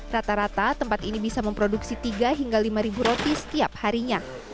rata rata tempat ini bisa memproduksi tiga hingga lima roti setiap harinya